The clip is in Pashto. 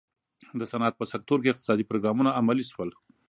د صنعت په سکتور کې اقتصادي پروګرامونه عملي شول.